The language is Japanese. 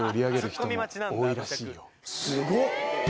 すごっ！